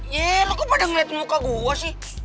yee lo kok pada ngeliat muka gue sih